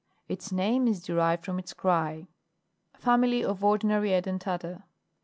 Its name is derived from its cry. FAMILY OF ORDINARY EDENTATA. 5.